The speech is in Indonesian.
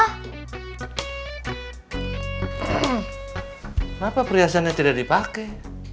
kenapa perhiasannya tidak dipakai